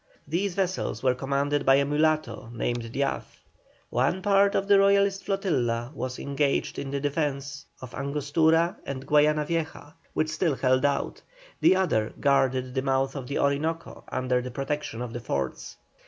These vessels were commanded by a mulatto named Diaz. One part of the Royalist flotilla was engaged in the defence of Angostura and Guayana Vieja, which still held out; the other guarded the mouth of the Orinoco under the protection of the forts.